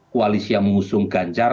koalisi yang mengusung ganjar